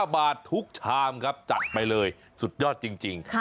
๕บาททุกชามครับจัดไปเลยสุดยอดจริง